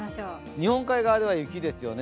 日本海側では雪ですよね。